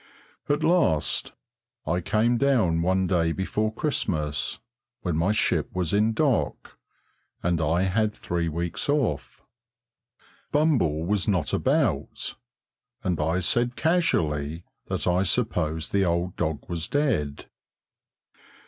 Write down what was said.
At last I came down one day before Christmas, when my ship was in dock and I had three weeks off. Bumble was not about, and I said casually that I supposed the old dog was dead.